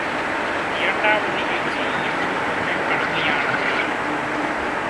இரண்டாவது நிகழ்ச்சி இன்னும் கொஞ்சம் கடுமையானது.